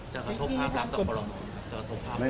จะกระทบภาพละ